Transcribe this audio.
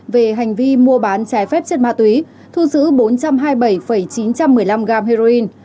về hành vi mua bán trái phép chất ma túy thu giữ bốn trăm hai mươi bảy chín trăm một mươi năm gram heroin